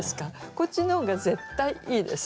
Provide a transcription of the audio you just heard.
こっちの方が絶対いいです。